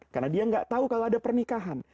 karena dia tidak tahu kalau ada pernikahan